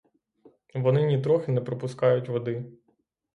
Вони нітрохи не пропускають води.